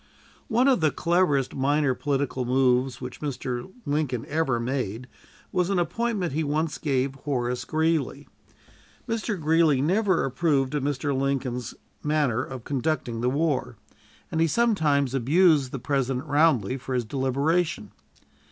One of the cleverest minor political moves which Mr. Lincoln ever made was an appointment he once gave Horace Greeley. Mr. Greeley never approved of Mr. Lincoln's manner of conducting the war, and he sometimes abused the President roundly for his deliberation.